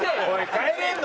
帰れんの？